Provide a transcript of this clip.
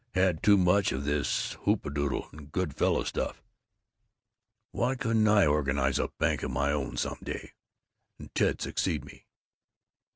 Had too much of this hooptedoodle and good fellow stuff. I Why couldn't I organize a bank of my own some day? And Ted succeed me!"